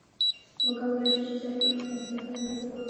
موږ کولای شو چې زاویې او فاصلې هم اندازه کړو